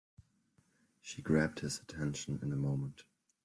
She grabbed his attention in a moment.